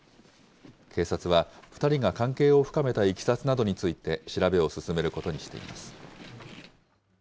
警察は２人が関係を深めたいきさつなどについて調べを進めることにしています。